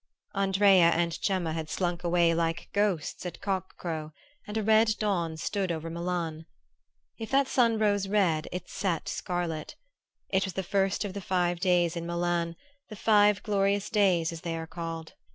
Andrea and Gemma had slunk away like ghosts at cock crow, and a red dawn stood over Milan. If that sun rose red it set scarlet. It was the first of the Five Days in Milan the Five Glorious Days, as they are called.